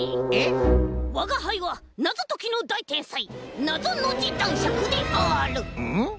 わがはいはなぞときのだいてんさいなぞノジだんしゃくである！